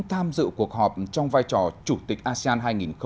tham dự cuộc họp trong vai trò chủ tịch asean hai nghìn hai mươi